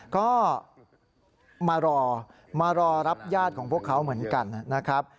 ก็มารอมารอรับญาติของพวกเขาเหมือนกันนะครับ